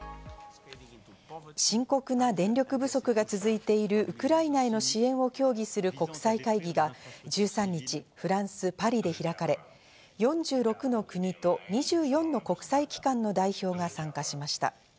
深刻な電力不足が続いているウクライナへの支援を協議する国際会議が１３日、フランス・パリで開かれ、４６の国と２４の国際機関の代表が参加しました。